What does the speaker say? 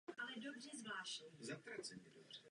Klíčovými faktory jsou výchova a vzdělání.